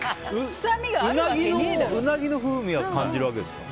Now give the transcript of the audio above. うなぎの風味は感じるわけですか？